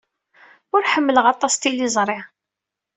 Ur ḥemmleɣ aṭas tiliẓri.